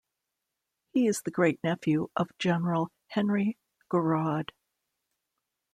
He is the great nephew of general Henri Gouraud.